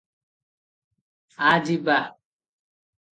ଆ- ଯିବା ।"